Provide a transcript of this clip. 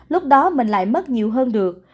lúc đó mình lại mất nhiều hơn được